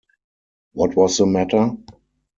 What was the matter?